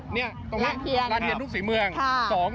ร้านเทียนลูกศรีเมือง